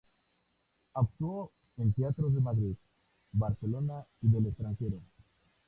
Actuó en teatros de Madrid, Barcelona y del extranjero.